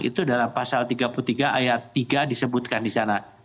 itu dalam pasal tiga puluh tiga ayat tiga disebutkan di sana